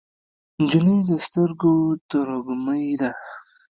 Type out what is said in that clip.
نجلۍ د سترګو تروږمۍ ده.